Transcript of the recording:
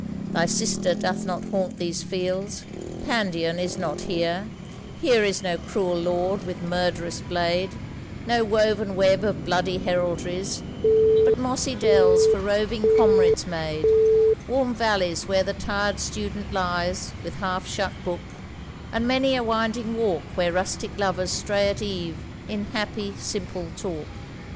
Thy sister doth not haunt these fields, Pandion is not here, Here is no cruel Lord with murderous blade, No woven web of bloody heraldries, But mossy dells for roving comrades made, Warm valleys where the tired student lies With half shut book, and many a winding walk Where rustic lovers stray at eve in happy simple talk.